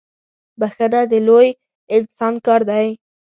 بخښنه د لوی انسان کار دی.